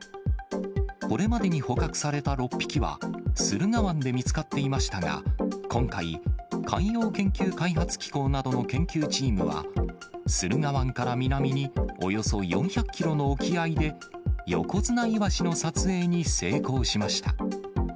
これまでに捕獲された６匹は、駿河湾で見つかっていましたが、今回、海洋研究開発機構などの研究チームは、駿河湾から南におよそ４００キロの沖合で、ヨコヅナイワシの撮影に成功しました。